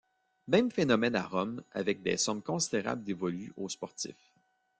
Même phénomène à Rome avec des sommes considérables dévolues aux sportifs.